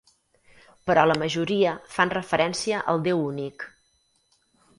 Però la majoria fan referència al Déu únic.